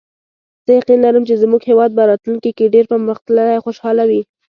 زه یقین لرم چې زموږ هیواد به راتلونکي کې ډېر پرمختللی او خوشحاله وي